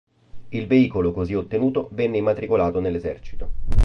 Il veicolo così ottenuto venne immatricolato nell'esercito.